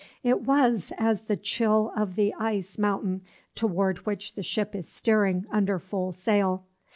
It was as the chill of the ice mountain toward which the ship is steering under full sail.